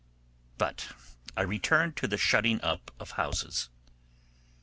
But I return to the shutting up of houses.